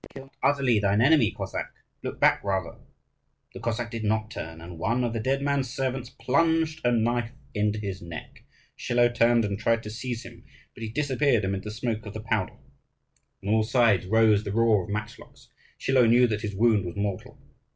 Kill not utterly thine enemy, Cossack: look back rather! The Cossack did not turn, and one of the dead man's servants plunged a knife into his neck. Schilo turned and tried to seize him, but he disappeared amid the smoke of the powder. On all sides rose the roar of matchlocks. Schilo knew that his wound was mortal.